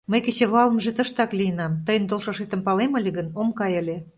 Мый кечывалымже тыштак лийынам, тыйын толшашетым палем ыле гын, ом кай ыле.